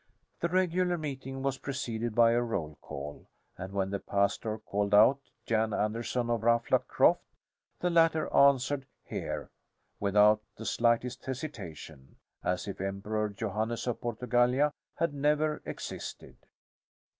The regular meeting was preceded by a roll call, and when the pastor called out "Jan Anderson of Ruffluck Croft," the latter answered "here" without the slightest hesitation as if Emperor Johannes of Portugallia had never existed.